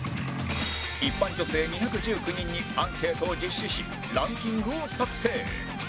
一般女性２１９人にアンケートを実施しランキングを作成！